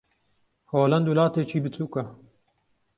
ھۆلەند وڵاتێکی بچووکە.